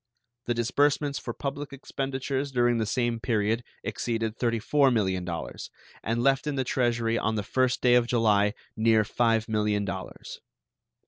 The disbursements for public expenditures during the same period exceeded $34 millions, and left in the Treasury on the first day of July near $5 millions.